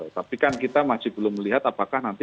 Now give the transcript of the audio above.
tapi kan kita masih belum melihat apakah nanti